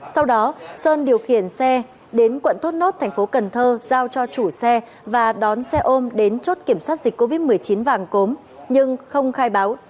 sau đó sơn điều khiển xe đến quận thốt nốt tp cn giao cho chủ xe và đón xe ôm đến chốt kiểm soát dịch covid một mươi chín vàng cốm nhưng không khai báo